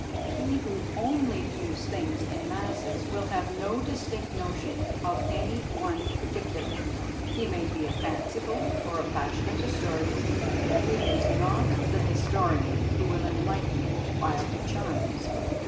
He who only views things in masses will have no distinct notion of any one particular; he may be a fanciful or a passionate historian, but he is not the historian who will enlighten while he charms.